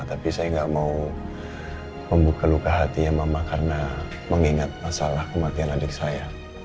tapi saya nggak mau membuka luka hatinya mama karena mengingat masalah kematian adik saya